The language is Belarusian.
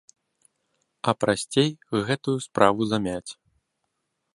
А прасцей гэтую справу замяць.